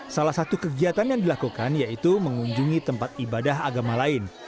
salah satu kegiatan yang dilakukan yaitu mengunjungi tempat ibadah agama lain